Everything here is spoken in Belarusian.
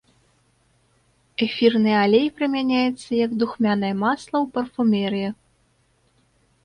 Эфірны алей прымяняецца як духмянае масла ў парфумерыі.